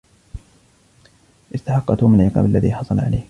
استحق توم العقاب الذي حصل عليه.